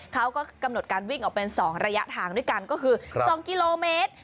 เขาก็กำหนดการวิ่งออกเป็น๒ระยะทางด้วยกันก็คือ๒กิโลเมตร